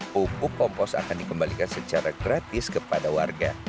pupuk kompos akan dikembalikan secara gratis kepada warga